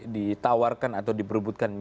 ditawarkan atau diperbutkan